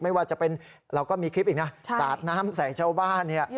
ไม่ว่าจะเป็นเราก็มีคลิปอีกนะสาดน้ำใส่ชาวบ้านเนี่ย